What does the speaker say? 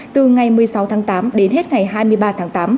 từ ngày một mươi sáu tháng tám đến hết ngày hai mươi ba tháng tám